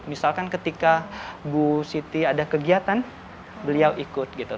misalkan ketika bu siti ada kegiatan beliau ikut gitu